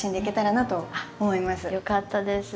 よかったです。